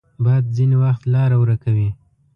باد ځینې وخت لاره ورکوي